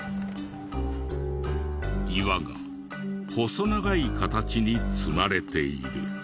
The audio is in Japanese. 岩が細長い形に積まれている。